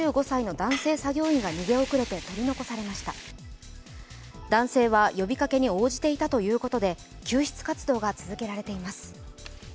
男性は呼びかけに応じていたということで、救出活動が続けられています。